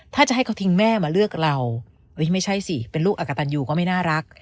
ถ้าจะให้เขาทิ้งแม่มาเลือกเราไม่ใช่สิเป็นลูกอักกตันยูก็ไม่น่ารัก